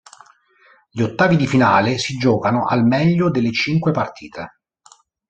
Gli "Ottavi di finale" si giocano al meglio delle cinque partite.